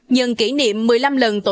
nhận kỷ niệm một mươi năm lần tuổi